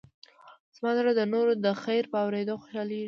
زما زړه د نورو د خیر په اورېدو خوشحالېږي.